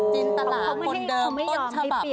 จินตลาคนเดิมต้นฉบับ